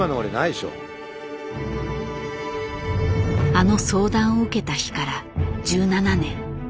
あの相談を受けた日から１７年。